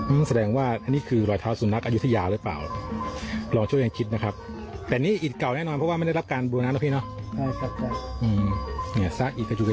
อืมแสดงว่าอันนี้คือรอยเท้าสุดนักอิจโยธยาหรือเปล่า